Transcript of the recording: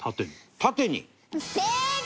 縦に。